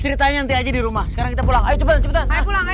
ceritanya nanti aja di rumah sekarang kita pulang ayo cepetan